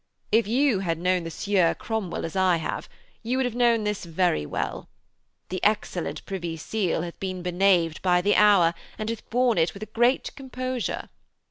If you had known the Sieur Cromwell as I have, you would have known this very well. The excellent the Privy Seal hath been beknaved by the hour, and hath borne it with a great composure.